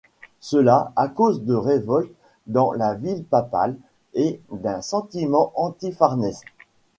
Cela, à cause de révoltes dans la ville papale et d’un sentiment anti-Farnèse.